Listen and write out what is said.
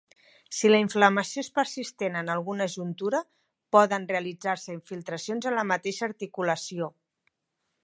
Si la inflamació és persistent en alguna juntura, poden realitzar-se infiltracions en la mateixa articulació.